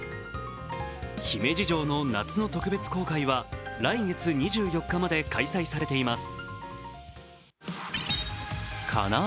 姫路城の夏の特別公開は来月２４日まで開催されています。